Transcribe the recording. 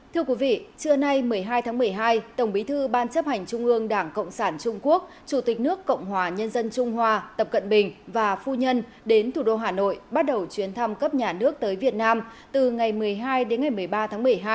thưa quý vị trưa nay một mươi hai tháng một mươi hai tổng bí thư ban chấp hành trung ương đảng cộng sản trung quốc chủ tịch nước cộng hòa nhân dân trung hoa tập cận bình và phu nhân đến thủ đô hà nội bắt đầu chuyến thăm cấp nhà nước tới việt nam từ ngày một mươi hai đến ngày một mươi ba tháng một mươi hai